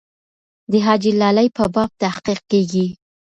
د حاجي لالي په باب تحقیق کېږي.